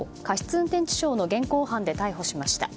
運転致傷の現行犯で逮捕しました。